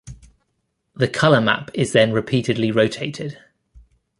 The color map is then repeatedly rotated.